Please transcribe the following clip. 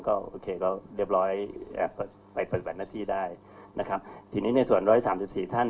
โอเคก็เรียบร้อยไปปฏิบัติหน้าที่ได้ทีนี้ในส่วน๑๓๔ท่าน